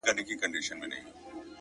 • د کوترو له کهاله، په یوه شان یو ,